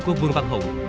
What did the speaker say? của vương văn hùng